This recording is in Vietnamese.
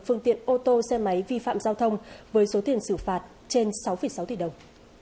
phương tiện ô tô xe máy vi phạm giao thông với số tiền xử phạt trên sáu sáu tỷ đồng